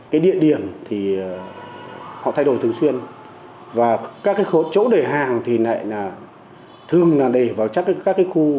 cái địa điểm thì họ thay đổi thường xuyên và các chỗ để hàng thì thường là để vào các khu